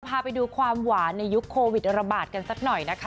พาไปดูความหวานในยุคโควิดระบาดกันสักหน่อยนะคะ